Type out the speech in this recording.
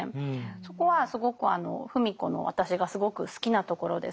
そこはすごく芙美子の私がすごく好きなところです。